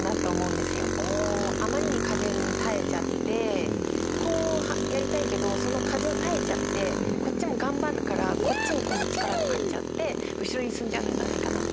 あまりに風に耐えちゃってこうやりたいけどその風を耐えちゃってこっちも頑張るからこっちに今度は力がかかっちゃって後ろに進んじゃうんじゃないかなと思って。